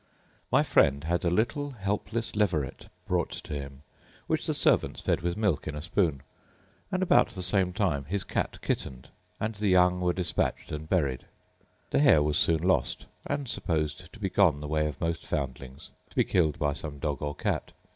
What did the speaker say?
My friend had a little helpless leveret brought to him, which the servants fed with milk in a spoon, and about the same time his cat kittened and the young were dispatched and buried. The hare was soon lost, and supposed to be gone the way of most foundlings, to be killed by some dog or cat.